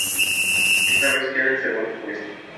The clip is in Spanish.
Esta vez queda en segundo puesto.